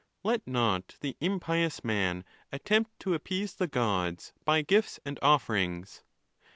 Let not the impious man attempt to appease the gods by gifts and offerings.